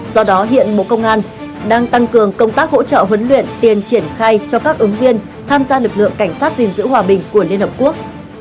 do đó hiện bộ công an đang tăng cường công tác hỗ trợ huấn luyện tiền triển khai cho các ứng viên tham gia lực lượng cảnh sát gìn giữ hòa bình của liên hợp quốc